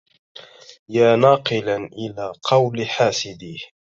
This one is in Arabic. يا ناقلا إلي قول حاسدي